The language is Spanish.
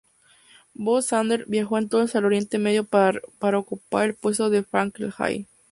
Von Sanders viajó entonces al Oriente Medio para ocupar el puesto de Falkenhayn.